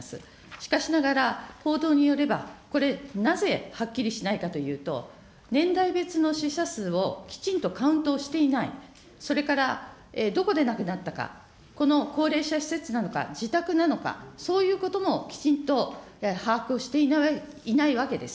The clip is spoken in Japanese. しかしながら、報道によれば、これ、なぜはっきりしないかというと、年代別の死者数をきちんとカウントをしていない、それからどこで亡くなったか、この高齢者施設なのか、自宅なのか、そういうこともきちんと把握をしていないわけです。